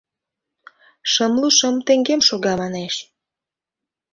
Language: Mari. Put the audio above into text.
Шымлу шым теҥгем шога, манеш.